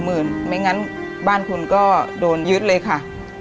ไม่งั้นบ้านคุณก็โดนยึดเลยค่ะ